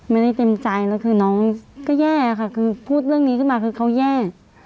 เต็มใจแล้วคือน้องก็แย่ค่ะคือพูดเรื่องนี้ขึ้นมาคือเขาแย่